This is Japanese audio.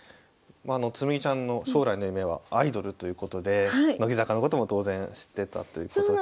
まああの紬ちゃんの将来の夢はアイドルということで乃木坂のことも当然知ってたということで。